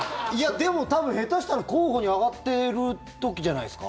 でも、多分下手したら候補に挙がってる時じゃないですか？